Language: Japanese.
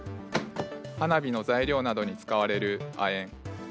花火の材料などに使われる亜鉛。